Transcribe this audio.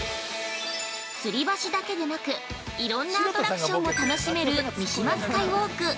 ◆つり橋だけでなくいろんなアトラクションも楽しめる三島スカイウォーク。